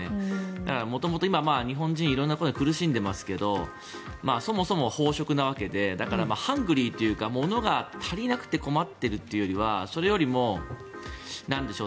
だから元々今、日本人色んなことで苦しんでますがそもそも飽食なわけでだからハングリーというかものが足りなくて困っているというよりはそれよりも、なんでしょう